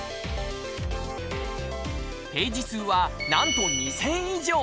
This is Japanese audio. ページ数はなんと２０００以上。